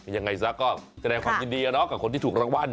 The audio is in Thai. ยังไงซะก็แสดงความยินดีกับคนที่ถูกรางวัล